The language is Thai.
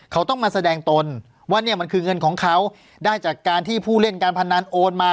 เขาต้องมาแสดงตนว่าเนี่ยมันคือเงินของเขาได้จากการที่ผู้เล่นการพนันโอนมา